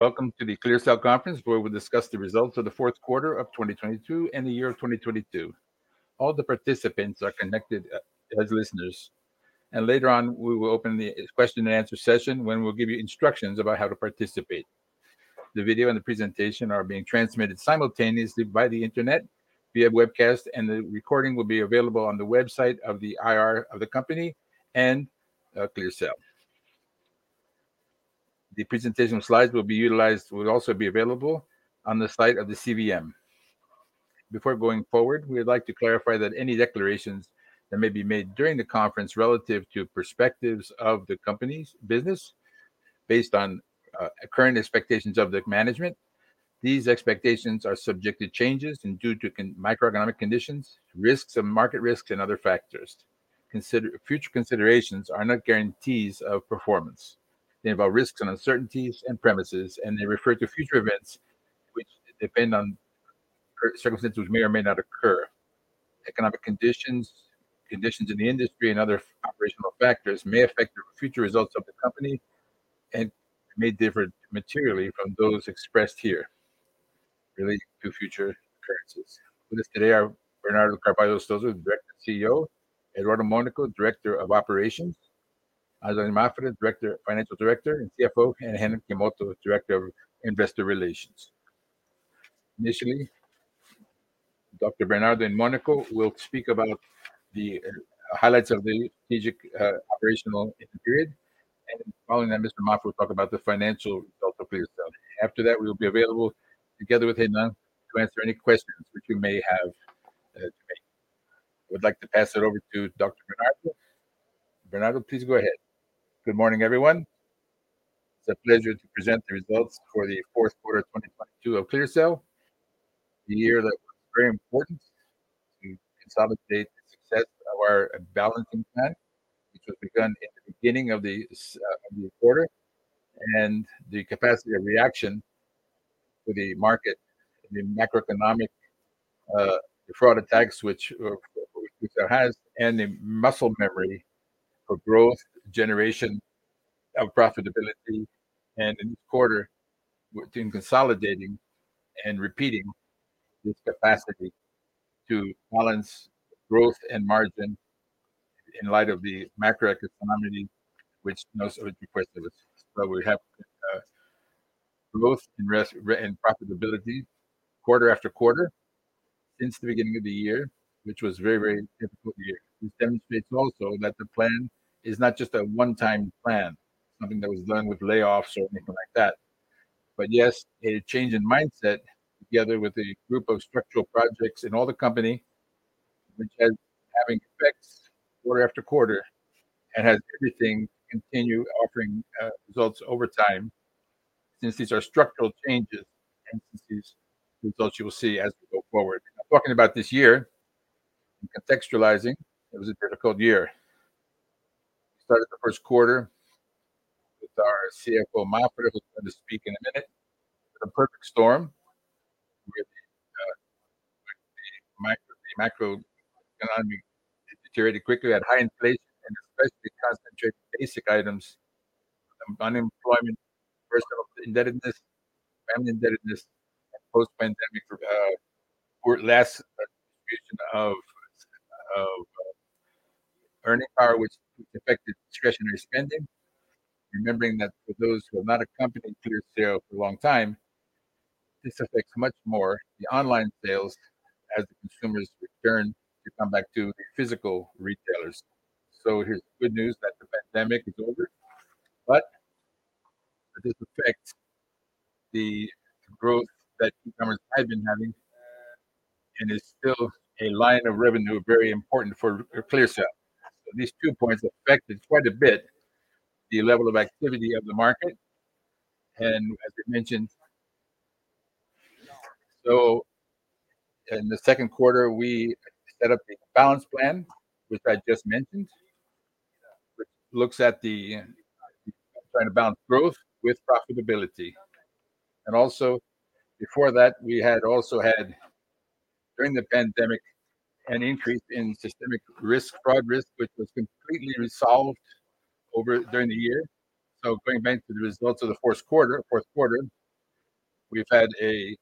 Welcome to the ClearSale conference, where we'll discuss the results of the fourth quarter of 2022 and the year of 2022. All the participants are connected as listeners, and later on we will open the question and answer session when we'll give you instructions about how to participate. The video and the presentation are being transmitted simultaneously via the internet via webcast, and the recording will be available on the website of the IR of the company and ClearSale. The presentation slides will also be available on the site of the CVM. Before going forward, we would like to clarify that any declarations that may be made during the conference relative to perspectives of the company's business based on current expectations of the management, these expectations are subject to changes and due to microeconomic conditions, risks and market risks and other factors. Future considerations are not guarantees of performance. They involve risks and uncertainties and premises, and they refer to future events which depend on circumstances which may or may not occur. Economic conditions in the industry and other operational factors may affect the future results of the company and may differ materially from those expressed here relating to future occurrences. With us today are Bernardo Carvalho Lustosa, the Director and Chief Executive Officer, Eduardo Monaco, Director of Operations, Alison Mafra, Financial Director and Chief Financial Officer, and Renan Kamoto, Director of Investor Relations. Bernardo and Monaco will speak about the highlights of the strategic operational period, and following that, Mr. Mafra will talk about the financial results of ClearSale. After that, we'll be available together with Renan to answer any questions which you may have today. I would like to pass it over to Dr. Bernardo. Bernardo, please go ahead. Good morning, everyone. It's a pleasure to present the results for the fourth quarter of 2022 of ClearSale, a year that was very important to consolidate the success of our balancing plan, which was begun in the beginning of this of the quarter, and the capacity of reaction to the market and the macroeconomic fraud attacks which there has, and the muscle memory for growth, generation of profitability. In this quarter, we've been consolidating and repeating this capacity to balance growth and margin in light of the macroeconomy, which knows only requests. We have growth and profitability quarter after quarter since the beginning of the year, which was a very, very difficult year, which demonstrates also that the plan is not just a one-time plan, something that was done with layoffs or anything like that. Yes, a change in mindset together with a group of structural projects in all the company which has having effects quarter after quarter and has everything continue offering results over time since these are structural changes and since these results you will see as we go forward. Talking about this year and contextualizing, it was a difficult year. We started the first quarter with our Chief Financial Officer, Mafra, who's going to speak in a minute. The perfect storm with the macroeconomy deteriorated quickly, had high inflation and especially concentrated basic items, unemployment, personal indebtedness, family indebtedness, and post-pandemic less contribution of earning power, which affected discretionary spending. Remembering that for those who are not accompanying ClearSale for a long time, this affects much more the online sales as the consumers return to come back to physical retailers. It is good news that the pandemic is over, but this affects the growth that Ecommerce has been having, and is still a line of revenue very important for ClearSale. These two points affected quite a bit the level of activity of the market, and as we mentioned. In the second quarter, we set up a balance plan, which I just mentioned, which looks at trying to balance growth with profitability. Also before that, we had also had, during the pandemic, an increase in systemic risk, fraud risk, which was completely resolved during the year. Going back to the results of the fourth quarter, we've had a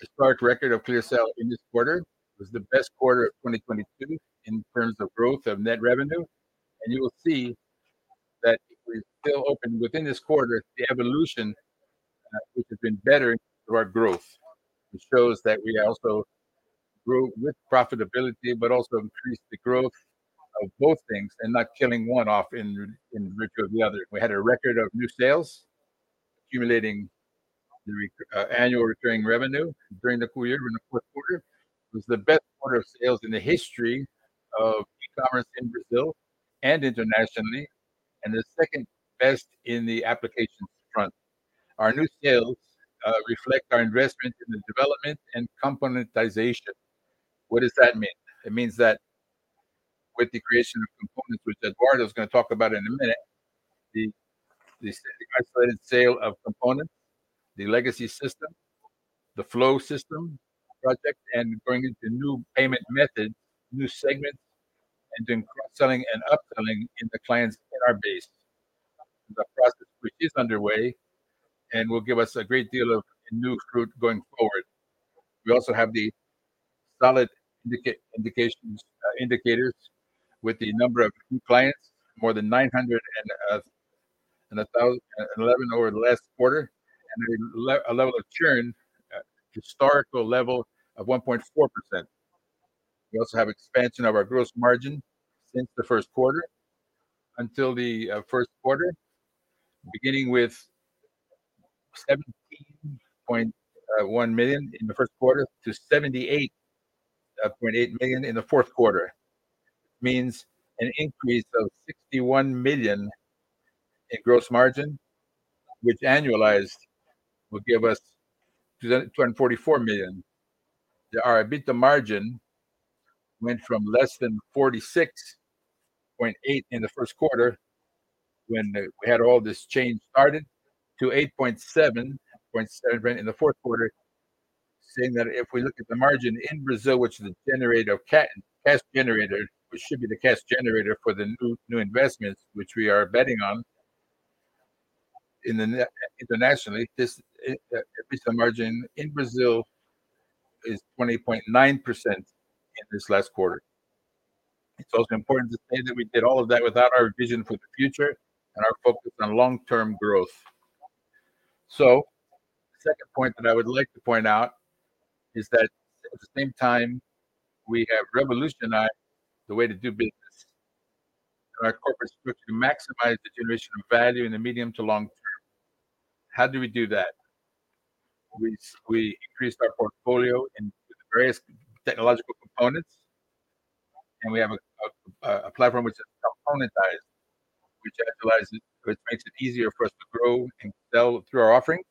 historic record of ClearSale in this quarter. It was the best quarter of 2022 in terms of growth of net revenue. You will see that we still opened within this quarter the evolution, which has been bettering through our growth. It shows that we also grew with profitability but also increased the growth of both things and not killing one off in rich of the other. We had a record of new sales accumulating the annual recurring revenue during the full year. In the fourth quarter, it was the best quarter of sales in the history of Ecommerce in Brazil and internationally, and the second best in the applications front. Our new sales reflect our investment in the development and componentization. What does that mean? It means that with the creation of components, which Eduardo is going to talk about in a minute, the isolated sale of components, The flow system project and bringing the new payment method, new segments, and then cross-selling and upselling in the clients in our base. The process which is underway and will give us a great deal of new fruit going forward. We also have the solid indications, indicators with the number of new clients, more than 911 over the last quarter, and a level of churn, a historical level of 1.4%. We also have expansion of our gross margin since the first quarter until the first quarter, beginning with 17.1 million in the first quarter to 78.8 million in the fourth quarter. Means an increase of 61 million in gross margin, which annualized will give us 244 million. The EBITDA margin went from less than 46.8% in the first quarter when we had all this change started to 8.7% in the fourth quarter, saying that if we look at the margin in Brazil, which is a generator, cash generator, which should be the cash generator for the new investments which we are betting on internationally, this EBITDA margin in Brazil is 20.9% in this last quarter. It's also important to say that we did all of that without our vision for the future and our focus on long-term growth. Second point that I would like to point out is that at the same time we have revolutionized the way to do business and our corporate structure to maximize the generation of value in the medium to long term. How do we do that? We increased our portfolio into the various technological components, and we have a platform which is componentized, which actualizes, which makes it easier for us to grow and sell through our offerings,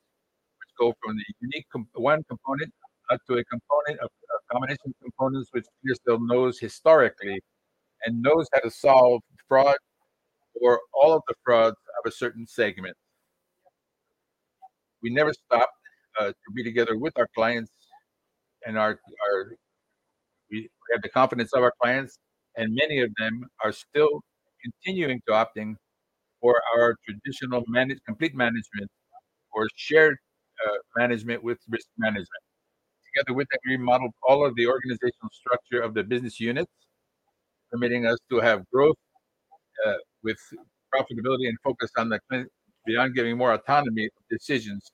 which go from the unique one component up to a component of combination components which ClearSale knows historically and knows how to solve fraud or all of the frauds of a certain segment. We never stopped to be together with our clients. We have the confidence of our clients, and many of them are still continuing to opting for our traditional complete management or shared management with risk management. Together with that, we remodeled all of the organizational structure of the business units, permitting us to have growth with profitability and focus on the client beyond giving more autonomy of decisions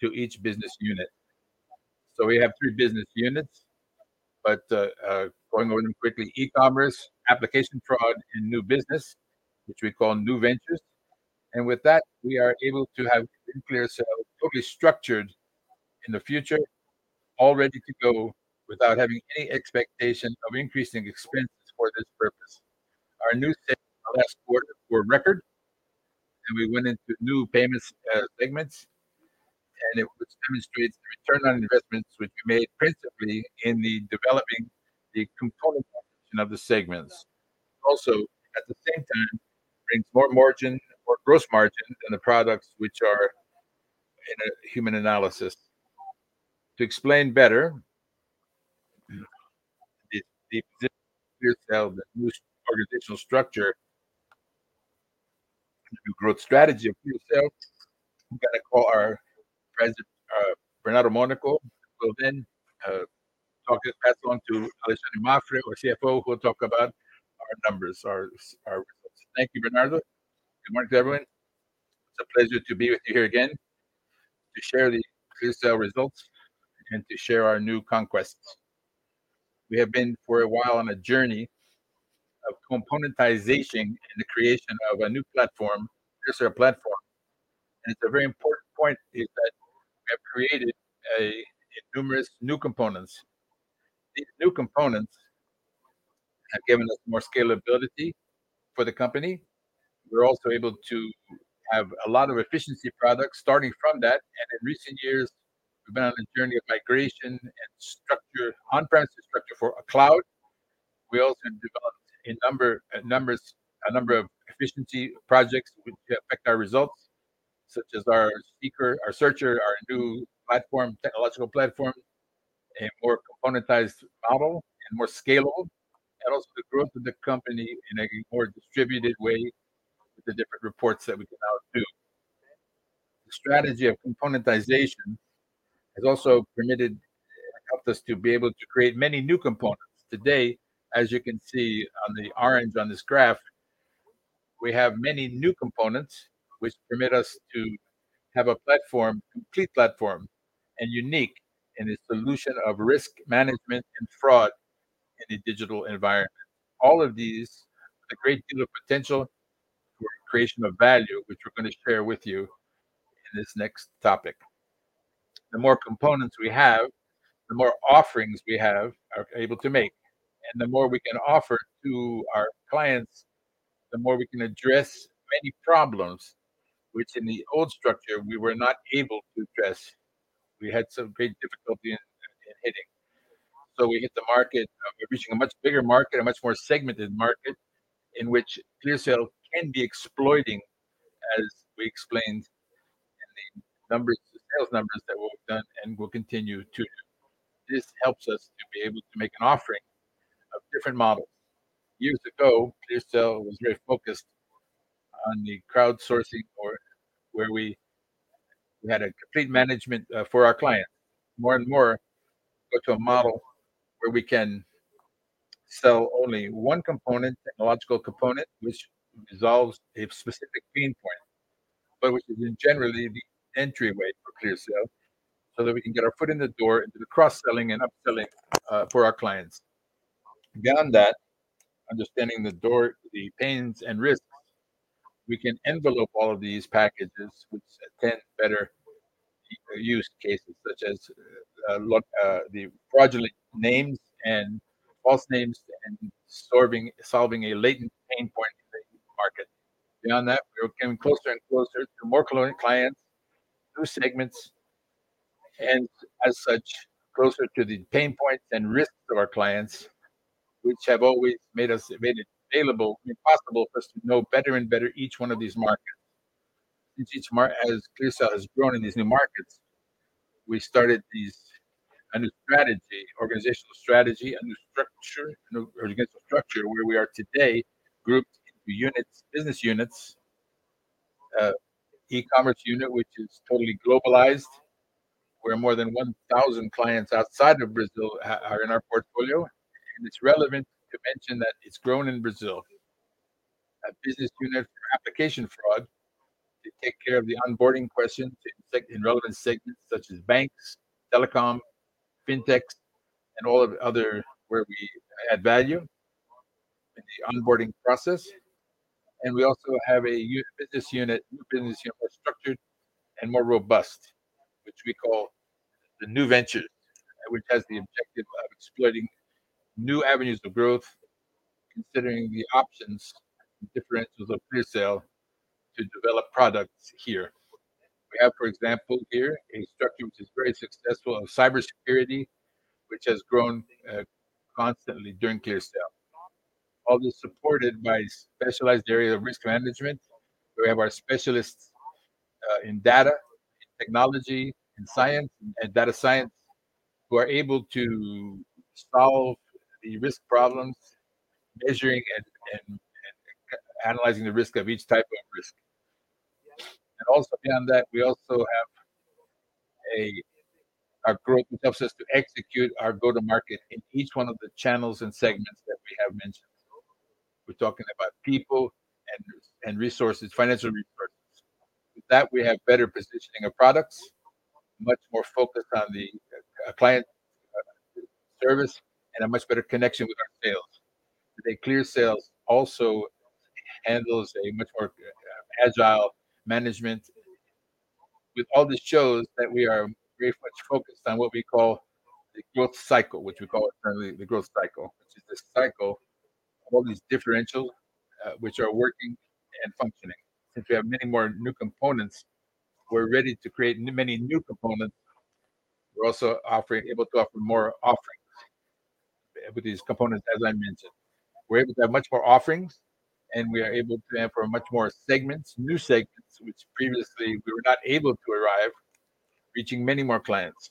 to each business unit. We have three business units, but going over them quickly: ecommerce, application fraud, and new business, which we call New Ventures. With that, we are able to have ClearSale totally structured in the future, all ready to go without having any expectation of increasing expenses for this purpose. Our new sales in the last quarter were record, and we went into new payments segments, and it demonstrates the return on investments which we made principally in the developing the component population of the segments. Also, at the same time, brings more margin, more gross margin than the products which are in a human analysis. To explain better the position of ClearSale, the new organizational structure and the new growth strategy of ClearSale, I'm gonna call our President, Eduardo Monaco, who will then talk, pass on to Alexandre Mafra, our Chief Financial Officer, who will talk about our numbers, our results. Thank you, Bernardo. Good morning to everyone. It's a pleasure to be with you here again to share the ClearSale results and to share our new conquests. We have been for a while on a journey of componentization and the creation of a new platform, ClearSale platform. It's a very important point is that we have created a numerous new components. These new components have given us more scalability for the company. We're also able to have a lot of efficiency products starting from that. In recent years, we've been on a journey of migration and structure on-premise to structure for a cloud. We also have developed a number of efficiency projects which affect our results, such as our seeker, our searcher, our new platform, technological platform, a more componentized model and more scalable, and also the growth of the company in a more distributed way with the different reports that we can now do. The strategy of componentization has also permitted and helped us to be able to create many new components. Today, as you can see on the orange on this graph, we have many new components which permit us to have a platform, complete platform, and unique in the solution of risk management and fraud in a digital environment. All of these with a great deal of potential for creation of value, which we're going to share with you in this next topic. The more components we have, the more offerings we have are able to make. The more we can offer to our clients, the more we can address many problems which in the old structure we were not able to address. We had some big difficulty in hitting. So we hit the market, we're reaching a much bigger market, a much more segmented market in which ClearSale can be exploiting as we explained in the numbers, the sales numbers that we've done and will continue to do. This helps us to be able to make an offering of different models. Years ago, ClearSale was very focused on the crowdsourcing part where we had a complete management for our clients. More and more go to a model where we can sell only one component, technological component, which resolves a specific pain point, but which is generally the entryway for ClearSale so that we can get our foot in the door into the cross-selling and upselling for our clients. Beyond that, understanding the pains and risks, we can envelope all of these packages which attend better use cases such as the fraudulent names and false names and solving a latent pain point in the market. Beyond that, we're getting closer and closer to more clients, new segments, and as such, closer to the pain points and risks of our clients, which have always made it available and possible for us to know better and better each one of these markets. As ClearSale has grown in these new markets, we started a new strategy, organizational strategy, a new structure, an organizational structure where we are today grouped into units, business units, Ecommerce unit, which is totally globalized, where more than 1,000 clients outside of Brazil are in our portfolio. It's relevant to mention that it's grown in Brazil. A business unit for Application Fraud to take care of the onboarding question in relevant segments such as banks, telecom, fintechs, and all of other where we add value in the onboarding process. We also have a new business unit, more structured and more robust, which we call the New Ventures, which has the objective of exploiting new avenues of growth, considering the options and differentials of ClearSale to develop products here. We have, for example, here a structure which is very successful in cybersecurity, which has grown constantly during ClearSale. All this supported by specialized area of risk management. We have our specialists in data, in technology, in science, in data science, who are able to solve the risk problems, measuring and analyzing the risk of each type of risk. Also beyond that, we also have a group which helps us to execute our go-to-market in each one of the channels and segments that we have mentioned. We're talking about people and resources, financial resources. With that, we have better positioning of products, much more focused on the client service and a much better connection with our sales. Today, ClearSale also handles a much more agile management. With all this shows that we are very much focused on what we call the growth cycle, which we call it currently the growth cycle, which is this cycle of all these differentials, which are working and functioning. Since we have many more new components, we're ready to create many new components. We're also able to offer more offerings with these components, as I mentioned. We're able to have much more offerings, and we are able to have much more segments, new segments, which previously we were not able to arrive, reaching many more clients.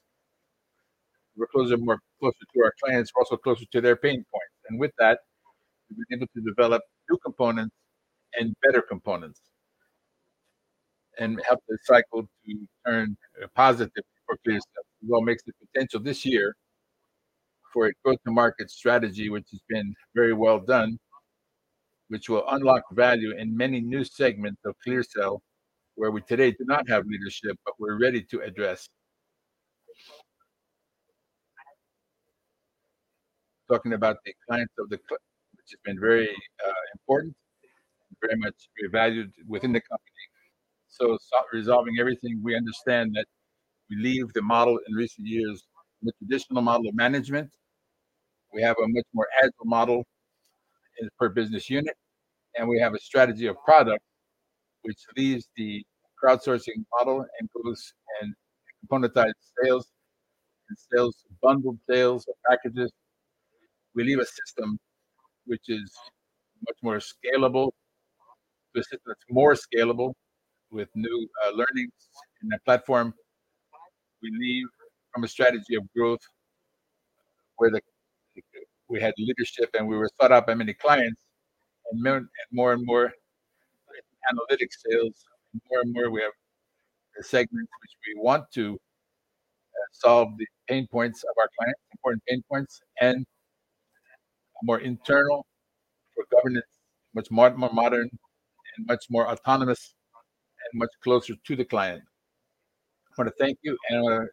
We're closer, more closer to our clients, also closer to their pain points. With that, we'll be able to develop new components and better components and help the cycle to turn positive for ClearSale. Is what makes the potential this year for a go-to-market strategy, which has been very well done, which will unlock value in many new segments of ClearSale, where we today do not have leadership, but we're ready to address. Talking about the clients of the company, which has been very important, very much valued within the company. Resolving everything, we understand that we leave the model in recent years, the traditional model of management. We have a much more agile model as per business unit, and we have a strategy of product which leaves the crowdsourcing model and goes and componentize sales, bundled sales or packages. We leave a system which is much more scalable. The system that's more scalable with new learnings in the platform. We leave from a strategy of growth where we had leadership and we were thought of by many clients and more and more analytic sales. More and more we have the segments which we want to solve the pain points of our clients, important pain points, and more internal for governance, much more, more modern and much more autonomous and much closer to the client. I want to thank you and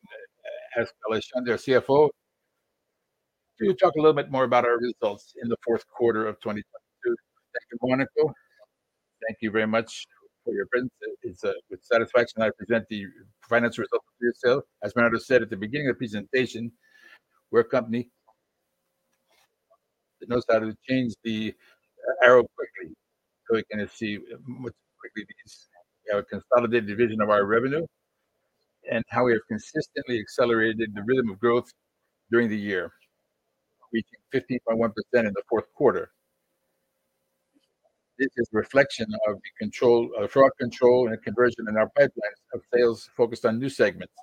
ask Alexandre, our Chief Financial Officer, to talk a little bit more about our results in the fourth quarter of 2022. Thank you, Monaco. Thank you very much for your presence. It's with satisfaction I present the financial results of ClearSale. As Leonardo said at the beginning of the presentation, we're a companyIt knows how to change the arrow quickly, it can achieve much quickly because we have a consolidated division of our revenue and how we have consistently accelerated the rhythm of growth during the year, reaching 51% in the Q4. This is reflection of the control, fraud control and conversion in our pipelines of sales focused on new segments.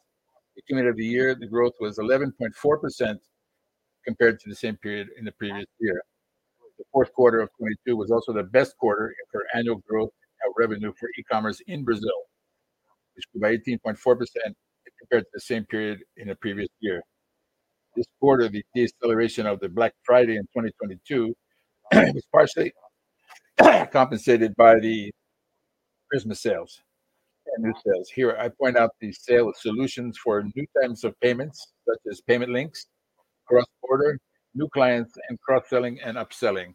At the end of the year, the growth was 11.4% compared to the same period in the previous year. The Q4 of 2022 was also the best quarter for annual growth of revenue for Ecommerce in Brazil, which grew by 18.4% compared to the same period in the previous year. This quarter, the deceleration of the Black Friday in 2022 was partially compensated by the Christmas sales and new sales. Here, I point out the sale solutions for new types of payments, such as payment links, cross-border, new clients, and cross-selling and upselling.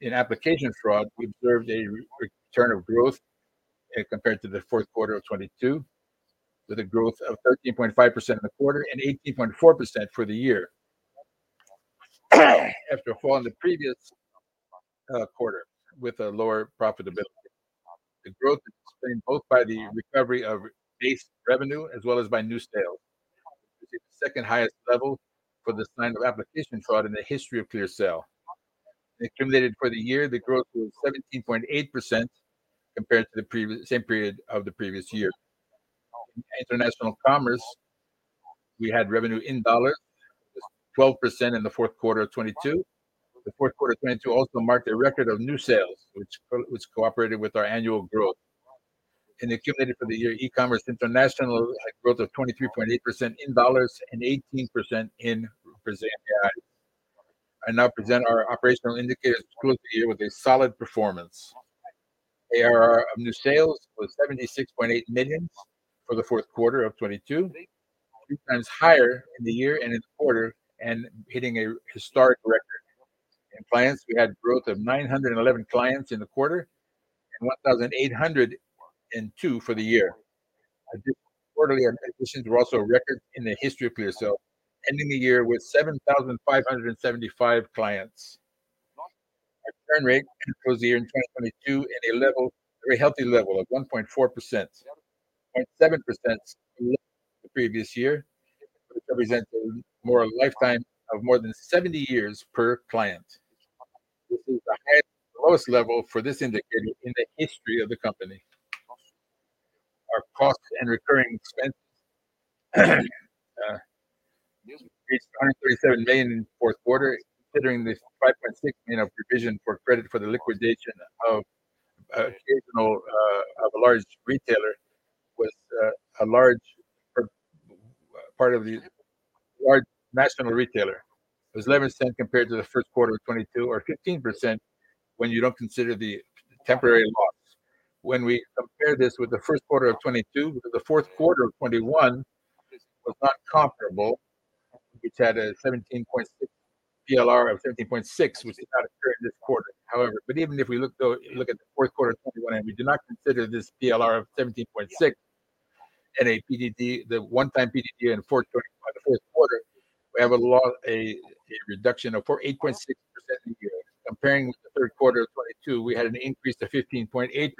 In Application Fraud, we observed a return of growth compared to the fourth quarter of 2022, with a growth of 13.5% in the quarter and 18.4% for the year. After a fall in the previous quarter with a lower profitability. The growth is explained both by the recovery of base revenue as well as by new sales. This is the second highest level for this line of Application Fraud in the history of ClearSale. Accumulated for the year, the growth was 17.8% compared to the same period of the previous year. In international commerce, we had revenue in dollar, 12% in the fourth quarter of 2022. The fourth quarter of 2022 also marked a record of new sales, which cooperated with our annual growth. In accumulated for the year, Ecommerce international had growth of 23.8% in U.S. dollars and 18% in Brazilian reais. I now present our operational indicators to close the year with a solid performance. ARR of new sales was 76.8 million for the fourth quarter of 2022, three times higher in the year and in the quarter, and hitting a historic record. In clients, we had growth of 911 clients in the quarter and 1,802 for the year. Quarterly acquisitions were also a record in the history of ClearSale, ending the year with 7,575 clients. Our churn rate closed the year in 2022 at a level, very healthy level of 1.4%, 0.7% less than the previous year, which represents a more lifetime of more than 70 years per client. This is the highest to lowest level for this indicator in the history of the company. Our costs and recurring expenses reached 237 million in the fourth quarter, considering this 5.6 million of provision for credit for the liquidation of occasional of a large retailer with a large part of the large national retailer. It was 11% compared to the first quarter of 2022, or 15% when you don't consider the temporary loss. When we compare this with the first quarter of 2022 with the fourth quarter of 2021, this was not comparable. We each had a PLR of 17.6, which did not occur in this quarter. Even if we look at the fourth quarter of 2021 and we do not consider this PLR of 17.6 and a PDD, the one-time PDD in the fourth quarter, we have a reduction of 8.6% in the year. Comparing with the third quarter of 2022, we had an increase to 15.8%.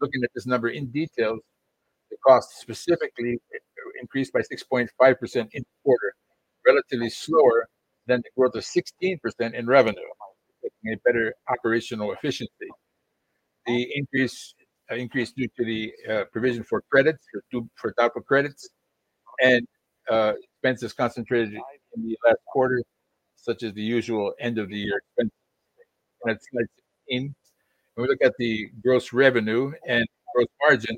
Looking at this number in details, the costs specifically increased by 6.5% in the quarter, relatively slower than the growth of 16% in revenue, making a better operational efficiency. The increase due to the provision for credits, for doubtful credits and expenses concentrated in the last quarter, such as the usual end of the year expenses. When we look at the gross revenue and gross margin,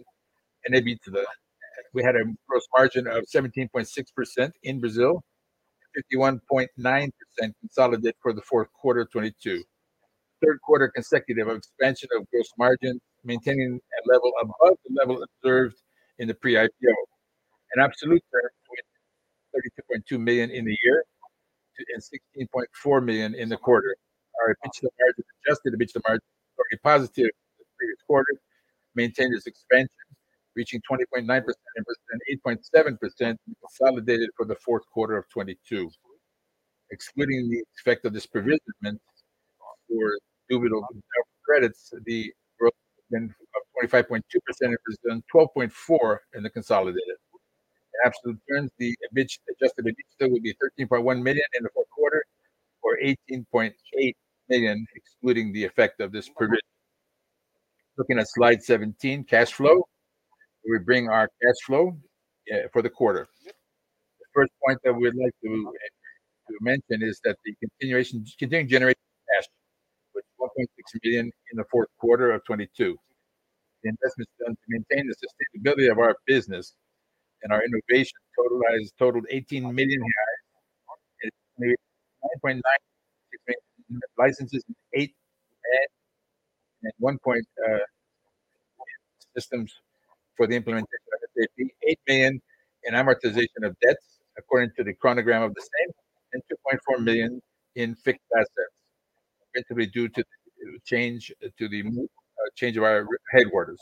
we had a gross margin of 17.6% in Brazil, and 51.9% consolidated for the fourth quarter of 2022. Third quarter consecutive expansion of gross margin, maintaining a level above the level observed in the pre-IPO. In absolute terms, 32.2 million in the year and 16.4 million in the quarter. Our adjusted EBITDA margin, slightly positive the previous quarter, maintained its expansions, reaching 20.9% in Brazil and 8.7% consolidated for the fourth quarter of 2022. Excluding the effect of this provisionment for doubtful credits, the growth of 25.2% in Brazil and 12.4% in the consolidated. In absolute terms, the EBITDA, adjusted EBITDA would be 13.1 million in the fourth quarter or 18.8 million excluding the effect of this provision. Looking at slide 17, cash flow. We bring our cash flow for the quarter. The first point that we'd like to mention is that the continuing generation of cash with 4.6 million in the fourth quarter of 2022. The investments done to maintain the sustainability of our business and our innovation totaled 18 million. It made BRL 9.9 million in licenses and 8.1 million in systems for the implementation of SAP. 8 million in amortization of debts according to the chronogram of the same, and 2.4 million in fixed assets. Mainly due to change to the change of our headwaters.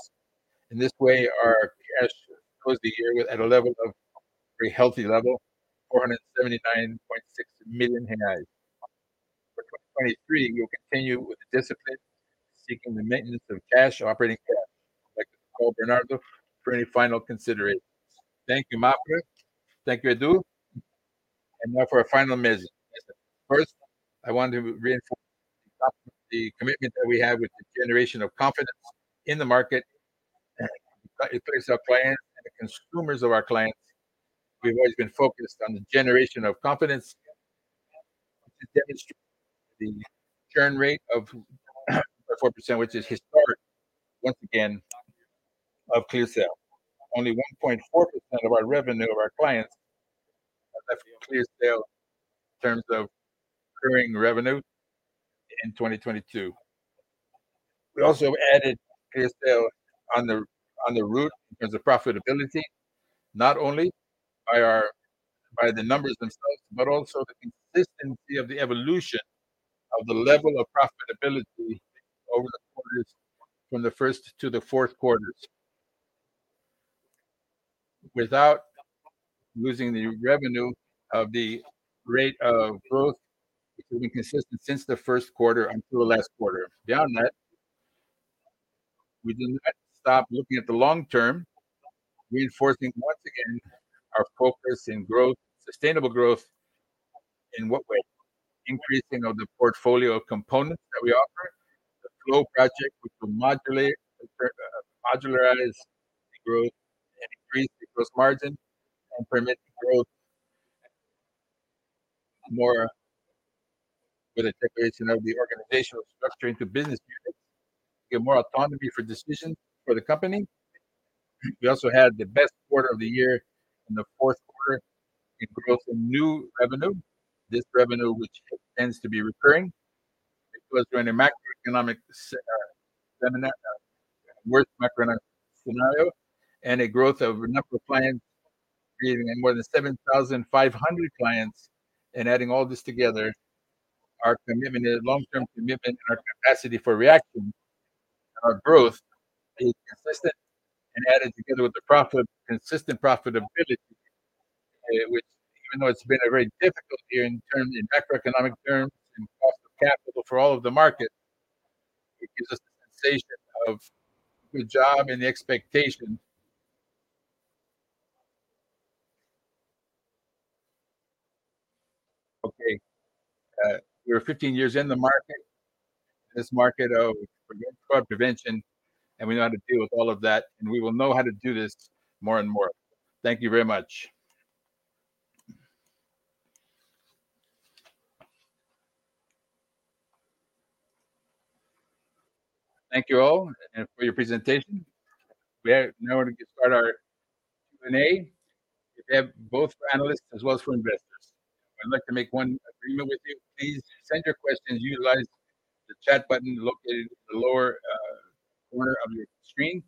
In this way, our cash closed the year with at a level of very healthy level, 479.6 million BRL. For 2023, we will continue with the discipline seeking the maintenance of cash, operating cash. I'd like to call Bernardo for any final considerations. Thank you, Mafra. Thank you, Edu. Now for our final message. First, I want to reinforce the commitment that we have with the generation of confidence in the market. It takes our clients and the consumers of our clients. We've always been focused on the generation of confidence to demonstrate the churn rate of 4%, which is historic once again of ClearSale. Only 1.4% of our revenue of our clients left ClearSale in terms of recurring revenue in 2022. We also added ClearSale on the route in terms of profitability, not only by the numbers themselves, but also the consistency of the evolution of the level of profitability over the quarters from the first to the fourth quarters. Without losing the revenue of the rate of growth, which has been consistent since the first quarter until the last quarter. Beyond that, we do not stop looking at the long term, reinforcing once again our focus in growth, sustainable growth. In what way? Increasing of the portfolio of components that we offer. The flow project, which will modulate, modularize the growth and increase the gross margin and permit growth more with the declaration of the organizational structure into business units to get more autonomy for decisions for the company. We also had the best quarter of the year in the fourth quarter in growth of new revenue. This revenue, which tends to be recurring. It was during a worst macroeconomic scenario, and a growth of the number of clients creating more than 7,500 clients. Adding all this together, our commitment, long-term commitment, and our capacity for reacting our growth is consistent and added together with the profit, consistent profitability, which even though it's been a very difficult year in macroeconomic terms and cost of capital for all of the market, it gives us the sensation of good job and the expectation. We are 15 years in the market, this market of fraud prevention, and we know how to deal with all of that, and we will know how to do this more and more. Thank you very much. Thank you all for your presentation. We are now going to get started our Q&A. We have both for analysts as well as for investors. I'd like to make one agreement with you. Please send your questions, utilize the chat button located in the lower corner of your screen.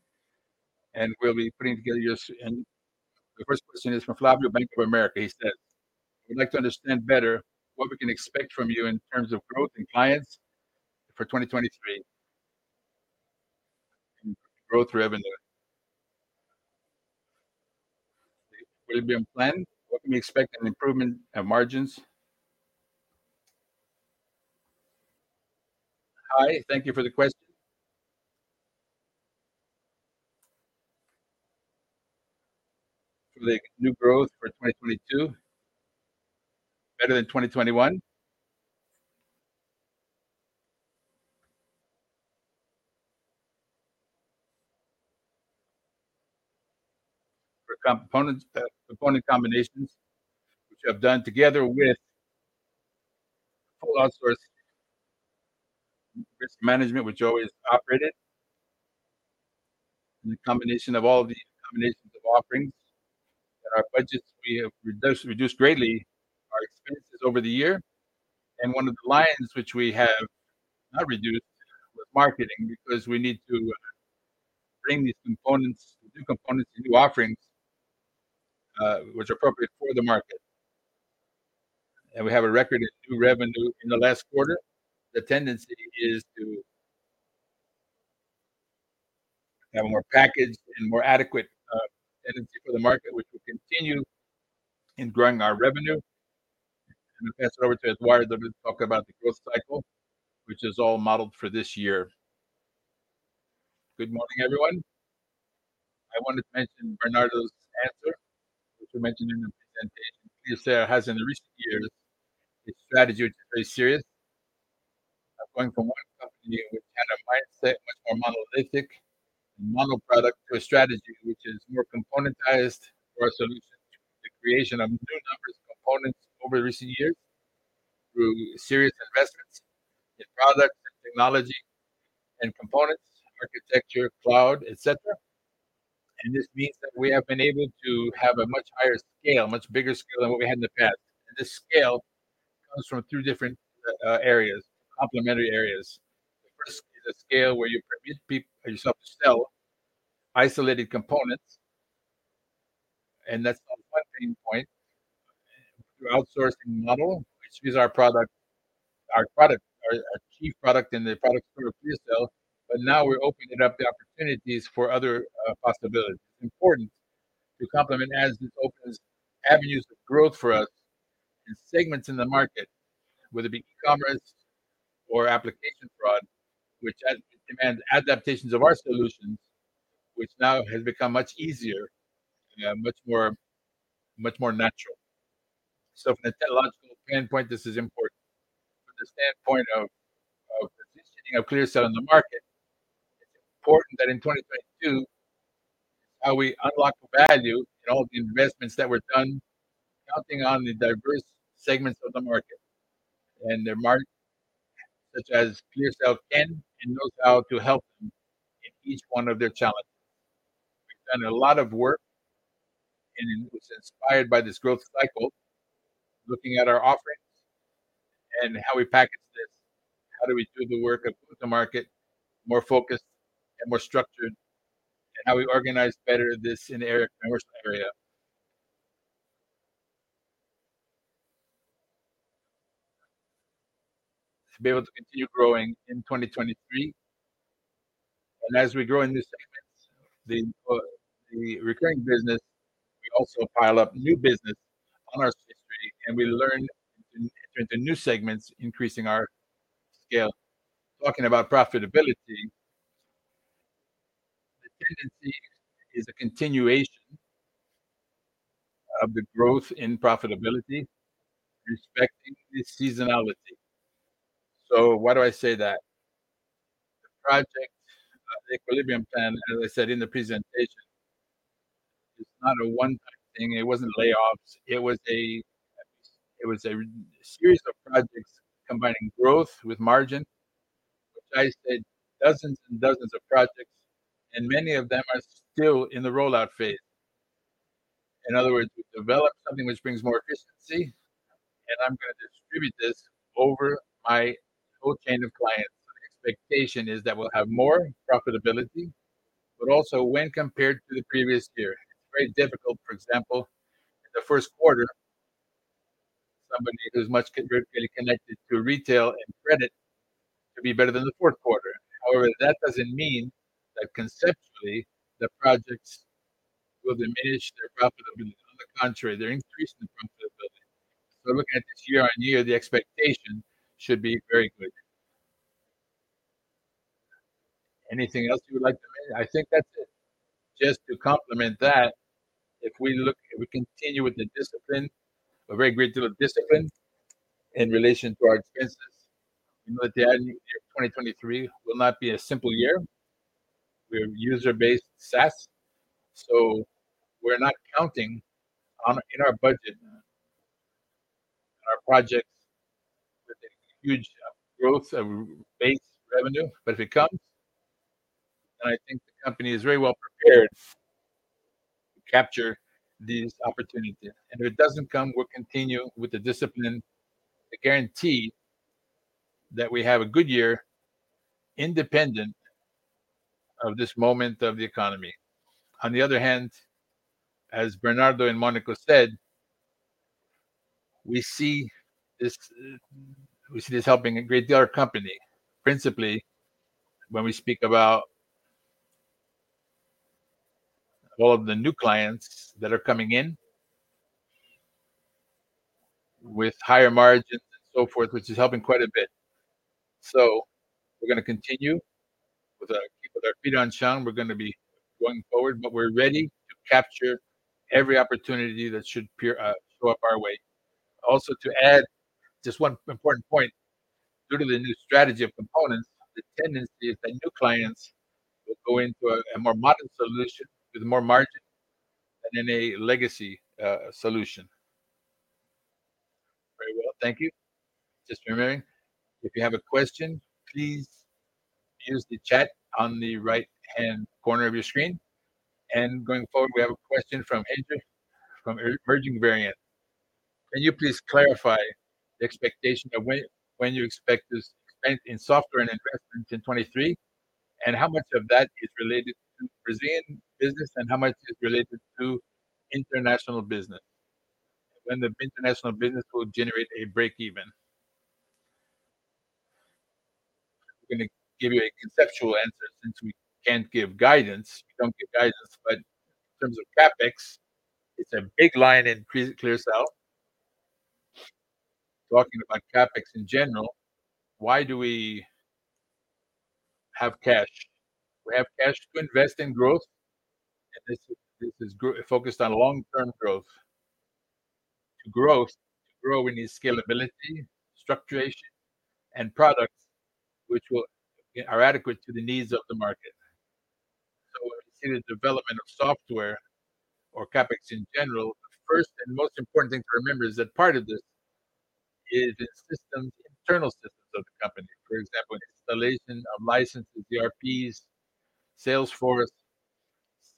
The first question is from Flavio, Bank of America. He said, "We'd like to understand better what we can expect from you in terms of growth in clients for 2023. In growth revenue. Will you be on plan? What can we expect an improvement of margins?" Hi, thank you for the question. For the new growth for 2022, better than 2021. For components, component combinations, which I've done together with full outsource risk management, which always operated. The combination of all the combinations of offerings that our budgets, we have reduced greatly our expenses over the year. One of the lines which we have not reduced was marketing, because we need to bring these components, new components and new offerings, which are appropriate for the market. We have a record in new revenue in the last quarter. The tendency is to have more packaged and more adequate tendency for the market, which will continue in growing our revenue. I'm going to pass it over to Eduardo to talk about the growth cycle, which is all modeled for this year. Good morning, everyone. I wanted to mention Bernardo's answer, which we mentioned in the presentation. ClearSale has in the recent years a strategy which is very serious of going from one company with kind of mindset, much more monolithic and monoproduct to a strategy which is more componentized for our solutions through the creation of new numbers of components over the recent years, through serious investments in products and technology and components, architecture, cloud, etc. This means that we have been able to have a much higher scale, much bigger scale than what we had in the past. This scale comes from two different areas, complementary areas. The first is a scale where you permit yourself to sell isolated components. That's also one pain point through outsourcing model, which is our key product in the product ClearSale. Now we're opening up the opportunities for other possibilities. It's important to complement as this opens avenues of growth for us in segments in the market, whether it be Ecommerce or Application Fraud, which demands adaptations of our solutions, which now has become much easier and much more natural. From a technological standpoint, this is important. From the standpoint of positioning of ClearSale in the market, it's important that in 2022, how we unlock value in all the investments that were done, counting on the diverse segments of the market. The market such as ClearSale can and knows how to help them in each one of their challenges. We've done a lot of work. It was inspired by this growth cycle, looking at our offerings and how we package this, how do we do the work of go-to-market, more focused and more structured, and how we organize better this commercial area. To be able to continue growing in 2023, as we grow in these segments, the recurring business, we also pile up new business on our history, we learn to enter into new segments, increasing our scale. Talking about profitability, the tendency is a continuation of the growth in profitability, respecting the seasonality. Why do I say that? The project of the equilibrium plan, as I said in the presentation, is not a one-time thing. It wasn't layoffs. It was a series of projects combining growth with margin, which I said dozens and dozens of projects. Many of them are still in the rollout phase. In other words, we develop something which brings more efficiency. I'm gonna distribute this over my whole chain of clients. The expectation is that we'll have more profitability, also when compared to the previous year. It's very difficult, for example, in the first quarter, somebody who's much connected to retail and credit to be better than the fourth quarter. However, that doesn't mean that conceptually the projects will diminish their profitability. On the contrary, they're increasing the profitability. Looking at this year-on-year, the expectation should be very good. Anything else you would like to add? I think that's it. Just to complement that, if we continue with a very great deal of discipline in relation to our expenses, we know that the new year, 2023, will not be a simple year. We're user-based SaaS, we're not counting in our budget, in our projects with a huge growth of base revenue. If it comes, I think the company is very well prepared to capture these opportunities. If it doesn't come, we'll continue with the discipline to guarantee that we have a good year independent of this moment of the economy. On the other hand, as Bernardo and Monica said, we see this helping a great deal our company, principally when we speak about all of the new clients that are coming in with higher margins and so forth, which is helping quite a bit. We're gonna continue with our feet on sound. We're gonna be going forward, but we're ready to capture every opportunity that should appear, show up our way. To add just one important point, due to the new strategy of components, the tendency is that new clients will go into a more modern solution with more margin than in a legacy solution. Very well. Thank you. Just remembering, if you have a question, please use the chat on the right-hand corner of your screen. Going forward, we have a question from Andrew from Emerging Variant. Can you please clarify the expectation of when you expect this expense in software and investment in 2023, and how much of that is related to Brazilian business and how much is related to international business? When the international business will generate a break even? I'm gonna give you a conceptual answer since we can't give guidance. We don't give guidance, but in terms of CapEx, it's a big line in ClearSale. Talking about CapEx in general, why do we have cash? We have cash to invest in growth, and this is focused on long-term growth. To grow, we need scalability, structuration, and products which are adequate to the needs of the market. When we see the development of software or CapEx in general, the first and most important thing to remember is that part of this is in systems, internal systems of the company. For example, installation of licenses, DRPs, Salesforce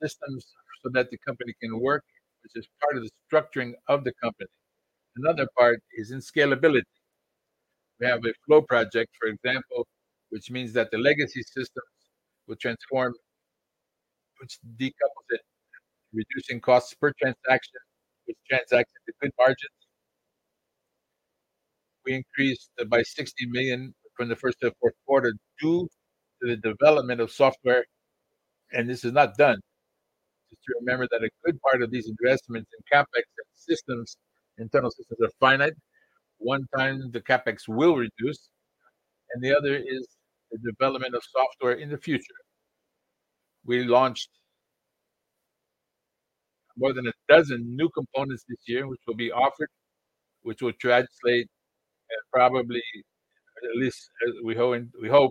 systems so that the company can work, which is part of the structuring of the company. Another part is in scalability. We have a flow project, for example, which means that the legacy systems will transform, which decouples it, reducing costs per transaction with transactions with good margins. We increased by 60 million from the first to fourth quarter due to the development of software. This is not done. Just to remember that a good part of these investments in CapEx and systems, internal systems, are finite. One time, the CapEx will reduce. The other is the development of software in the future. We launched more than 12 new components this year, which will be offered, which will translate, probably at least as we hope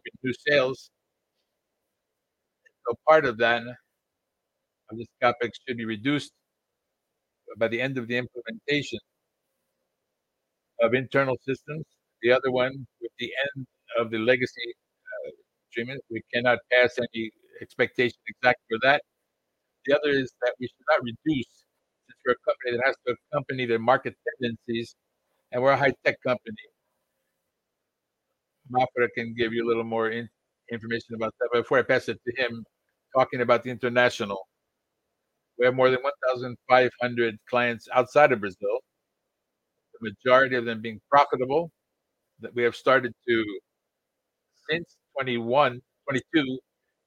in new sales. Part of that, of this CapEx should be reduced by the end of the implementation of internal systems. The other one, with the end of the legacy treatment, we cannot pass any expectation exactly for that. The other is that we should not reduce since we're a company that has to accompany the market tendencies, and we're a high-tech company. Mafra can give you a little more information about that. Before I pass it to him, talking about the international, we have more than 1,500 clients outside of Brazil, the majority of them being profitable, that we have started to, since 2021, 2022,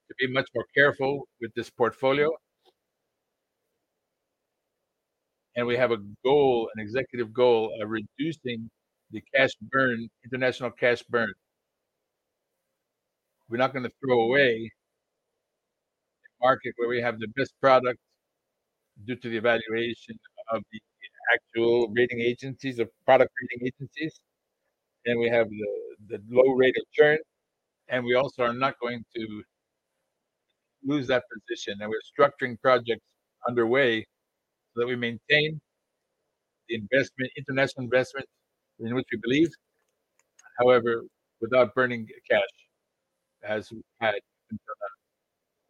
to be much more careful with this portfolio. We have a goal, an executive goal of reducing the cash burn, international cash burn. We're not gonna throw away the market where we have the best product due to the evaluation of the actual rating agencies or product rating agencies, and we have the low rate of churn. We also are not going to lose that position. We're structuring projects underway so that we maintain the investment, international investment in which we believe. However, without burning cash as we had until now.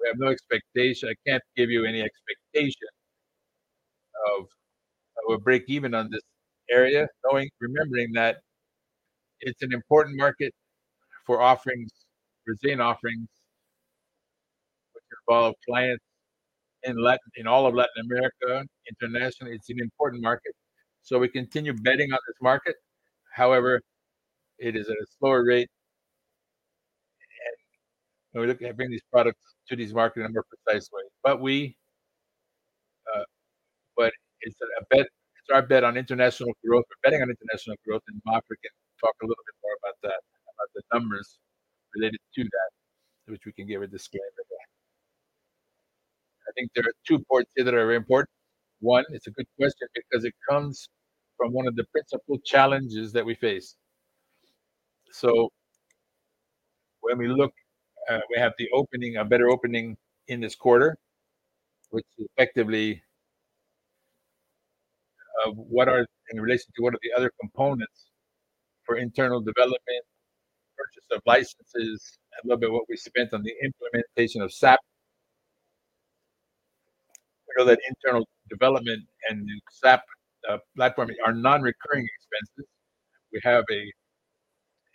We have no expectation. I can't give you any expectation of we're break even on this area, knowing, remembering that it's an important market for offerings, Brazilian offerings, which involve clients in all of Latin America. Internationally, it's an important market. We continue betting on this market. However, it is at a slower rate, and we're looking to bring these products to these markets in a more precise way. It's a bet, it's our bet on international growth. We're betting on international growth, Mafra can talk a little bit more about that, about the numbers related to that, which we can give a disclaimer there. I think there are two points here that are very important. One, it's a good question because it comes from one of the principal challenges that we face. When we look, we have the opening, a better opening in this quarter, which effectively, in relation to what are the other components for internal development, purchase of licenses, a little bit what we spent on the implementation of SAP. We know that internal development and the SAP platform are non-recurring expenses. We have a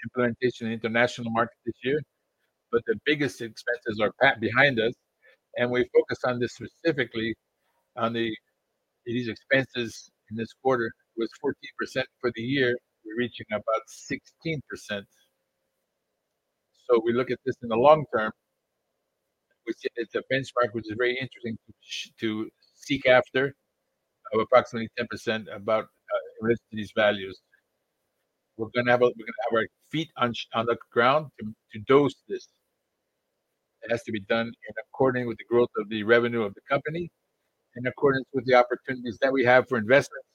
implementation in international market this year, but the biggest expenses are behind us, and we focus on this specifically on these expenses in this quarter was 14% for the year. We're reaching about 16%. We look at this in the long term. We see it's a benchmark which is very interesting to seek after of approximately 10% above rest of these values. We're gonna have our feet on the ground to dose this. It has to be done in accordance with the growth of the revenue of the company, in accordance with the opportunities that we have for investments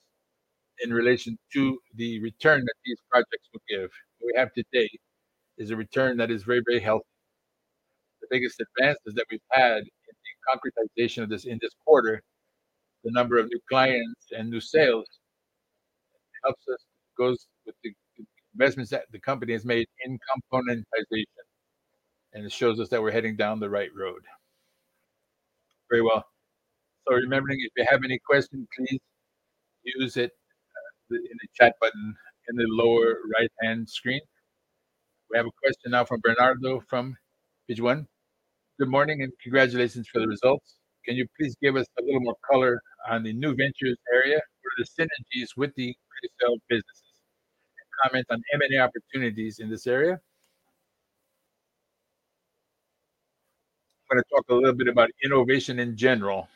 in relation to the return that these projects will give. What we have today is a return that is very, very healthy. The biggest advances that we've had in the concretization of this in this quarter, the number of new clients and new sales helps us, goes with the investments that the company has made in componentization, and it shows us that we're heading down the right road. Very well. Remembering, if you have any questions, please use it in the chat button in the lower right-hand screen. We have a question now from Bernardo from Page One. Good morning. Congratulations for the results. Can you please give us a little more color on the New Ventures area? What are the synergies with the ClearSale businesses? Comment on M&A opportunities in this area. I'm gonna talk a little bit about innovation in general.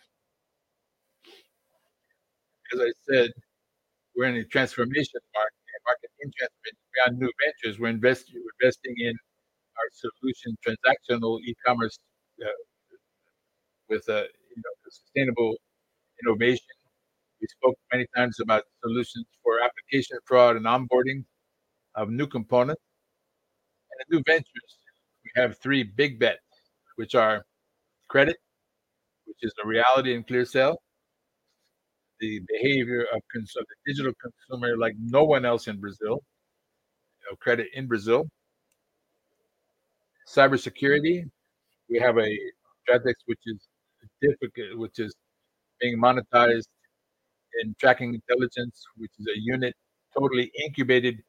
As I said, we're in a market transformation. We have New Ventures. We're investing in our solution transactional Ecommerce, with, you know, sustainable innovation. We spoke many times about solutions for Application Fraud and onboarding of new components. The New Ventures, we have three big bets, which are credit, which is the reality in ClearSale, the behavior of the digital consumer like no one else in Brazil, you know, credit in Brazil. Cybersecurity. We have a ThreatX, which is being monetized in Threat Intelligence, which is a unit totally incubated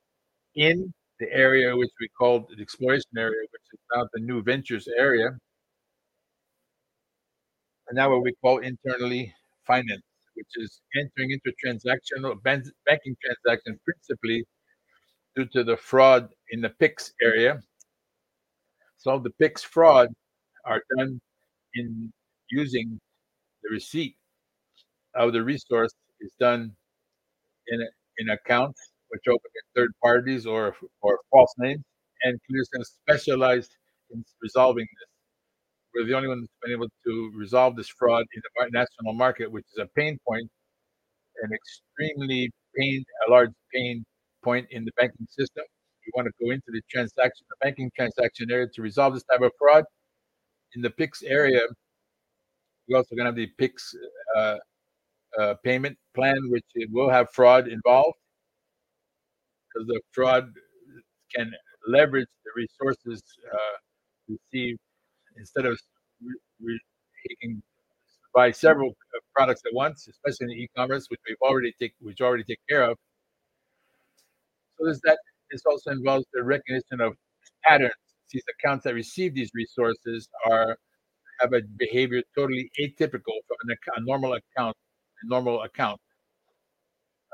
in the area which we called the exploration area, which is now the New Ventures area. Now what we call internally finance, which is entering into transactional bank, banking transactions principally due to the fraud in the Pix area. Some of the Pix fraud are done in using the receipt. How the resource is done in a, in accounts which open in third parties or false names. ClearSale is going to specialize in resolving this. We're the only ones that's been able to resolve this fraud in the national market, which is a pain point, an extremely large pain point in the banking system. We want to go into the transaction, the banking transaction area to resolve this type of fraud. In the Pix area, we're also gonna have the Pix payment plan, which it will have fraud involved because the fraud can leverage the resources received instead of buy several products at once, especially in the e-commerce, which already take care of. This also involves the recognition of patterns. These accounts that receive these resources have a behavior totally atypical for a normal account, a normal account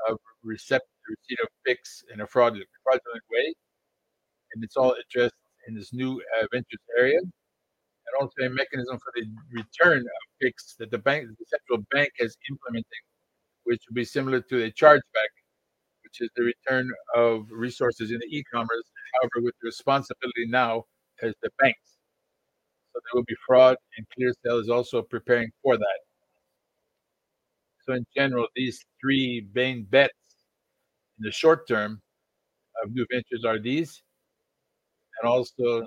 of receipt of Pix in a fraudulent way. It's all addressed in this new New Ventures area. Also a mechanism for the return of Pix that the bank, the central bank is implementing, which will be similar to a chargeback, which is the return of resources in the e-commerce, however, with responsibility now as the banks. There will be fraud, and ClearSale is also preparing for that. In general, these three main bets in the short term of New Ventures are these, and also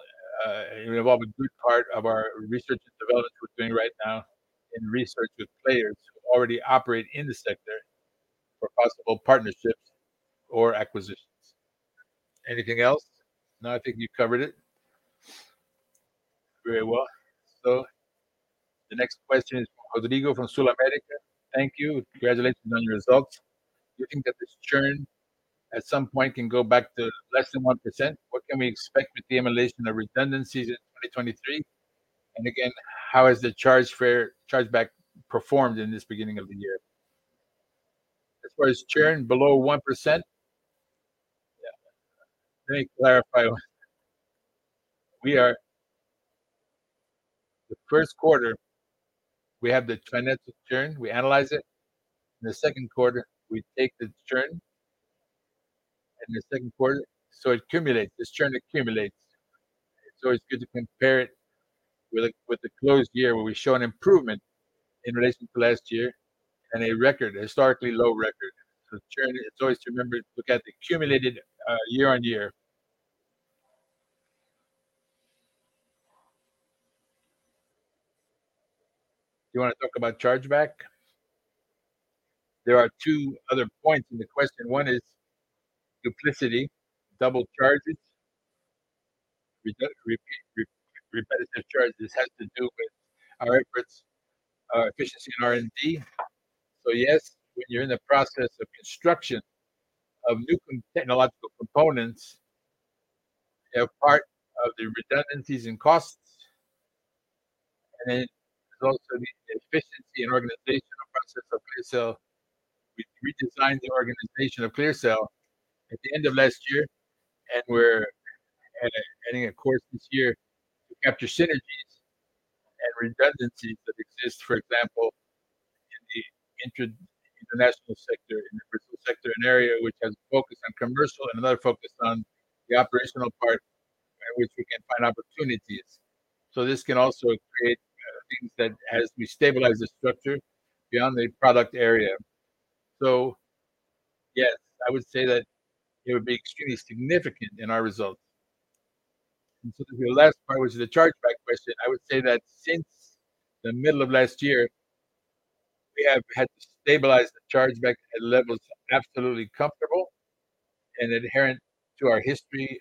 involve a good part of our research and development we're doing right now in research with players who already operate in the sector for possible partnerships or acquisitions. Anything else? No, I think you covered it very well. The next question is from Rodrigo from SulAmérica. Thank you. Congratulations on your results. Do you think that this churn at some point can go back to less than 1%? What can we expect with the emulation of redundancies in 2023? Again, how has the chargeback performed in this beginning of the year? As far as churn below 1%? Yeah. Let me clarify. The first quarter, we have the financial churn. We analyze it. In the second quarter, we take the churn. It accumulates. This churn accumulates. It's always good to compare it with the closed year where we show an improvement in relation to last year and a record, a historically low record. The churn, it's always to remember to look at the accumulated year-over-year. Do you wanna talk about chargeback? There are two other points in the question. One is duplicity, double charges, repetitive charges. This has to do with our efforts, our efficiency in R&D. yes, when you're in the process of construction of new technological components, they are part of the redundancies in costs. there's also the efficiency and organizational process of ClearSale. We redesigned the organization of ClearSale at the end of last year, and we're heading a course this year to capture synergies and redundancies that exist, for example, in the inter-international sector, interpersonal sector, an area which has focus on commercial and another focus on the operational part by which we can find opportunities. this can also create things that as we stabilize the structure beyond the product area. yes, I would say that it would be extremely significant in our results. The last part, which is the chargeback question, I would say that since the middle of last year, we have had to stabilize the chargeback at levels absolutely comfortable and inherent to our history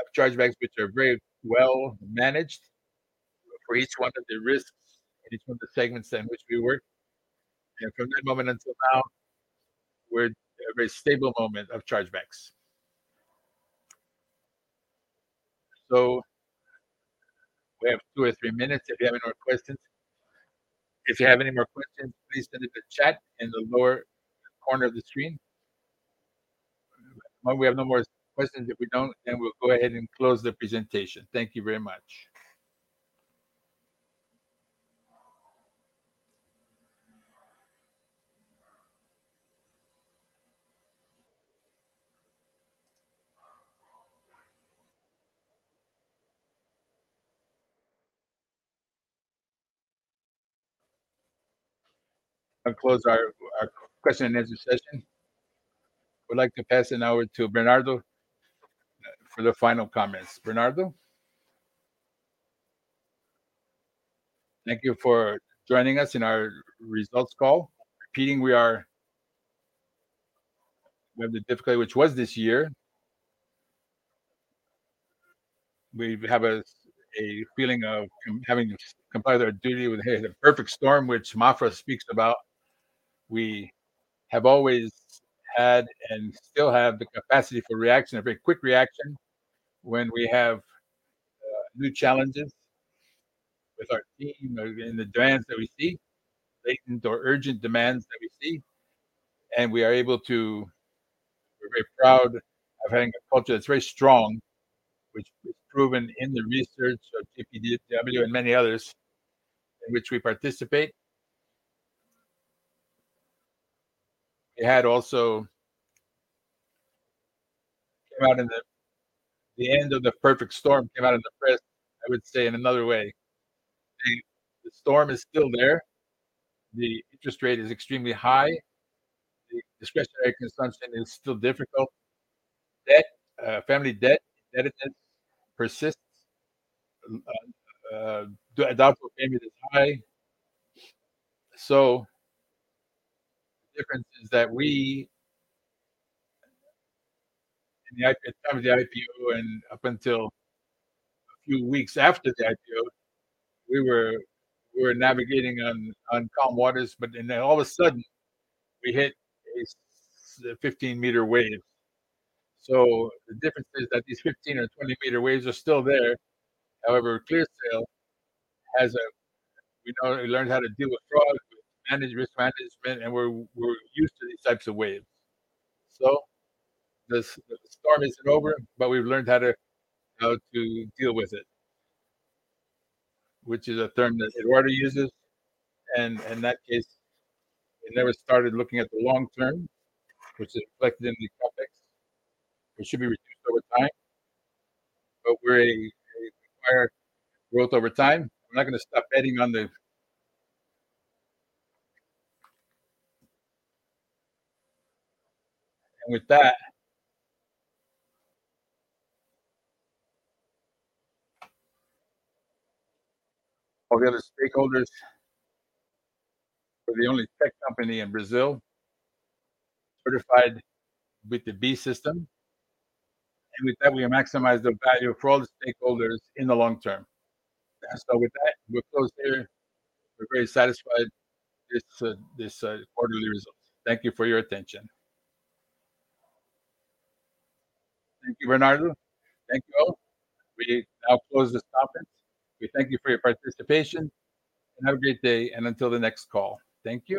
of chargebacks, which are very well managed for each one of the risks in each one of the segments in which we work. From that moment until now, we're at a very stable moment of chargebacks. We have two or three minutes if you have any more questions. If you have any more questions, please send it to chat in the lower corner of the screen. Well, we have no more questions. If we don't, we'll go ahead and close the presentation. Thank you very much. I'll close our question and answer session. Would like to pass it now to Bernardo for the final comments. Bernardo. Thank you for joining us in our results call. Repeating, we have the difficulty which was this year. We have a feeling of having to comply with our duty with the perfect storm which Mafra speaks about. We have always had and still have the capacity for reaction, a very quick reaction when we have new challenges with our team or in the demands that we see, latent or urgent demands that we see. We are able to. We're very proud of having a culture that is very strong, which is proven in the research of TPWD and many others in which we participate. It had also came out in the end of the perfect storm came out in the press, I would say in another way. The storm is still there. The interest rate is extremely high. The discretionary consumption is still difficult. Debt, family debt, indebtedness persists. Doubtful payment is high. The difference is that we at the time of the IPO and up until a few weeks after the IPO, we were navigating on calm waters, but then all of a sudden we hit a 15-meter wave. The difference is that these 15 or 20-meter waves are still there. However, ClearSale has We learned how to deal with fraud, manage risk management, and we're used to these types of waves. This, the storm isn't over, but we've learned how to deal with it, which is a term that Eduardo uses. In that case, we never started looking at the long term, which is reflected in the CapEx, which should be reduced over time. We're a required growth over time. I'm not gonna stop betting on the. All the other stakeholders. We're the only tech company in Brazil certified with the B Corp system. With that, we maximize the value for all the stakeholders in the long term. With that, we're closed here. We're very satisfied with this quarterly results. Thank you for your attention. Thank you, Bernardo. Thank you all. We now close this conference. We thank you for your participation, and have a great day and until the next call. Thank you.